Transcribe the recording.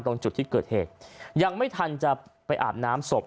ตรงจุดที่เกิดเหตุยังไม่ทันจะไปอาบน้ำศพ